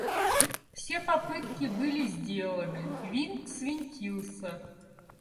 Все попытки были сделаны, винт свинтился.